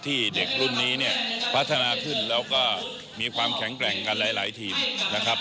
ที่เด็กรุ่นนี้เนี่ยพัฒนาขึ้นแล้วก็มีความแข็งแกร่งกันหลายทีมนะครับ